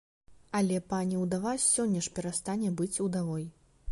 Але пані ўдава сёння ж перастане быць удавой.